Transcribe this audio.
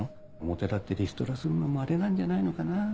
表立ってリストラするのもアレなんじゃないのかな？